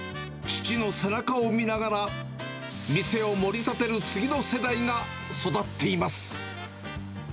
父の背中を見ながら、店を盛り立てる次の世代が育っています。